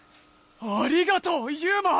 ありがとうユウマ！